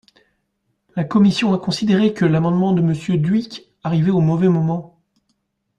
La commission a considéré que l’amendement de Monsieur Dhuicq arrivait au mauvais moment.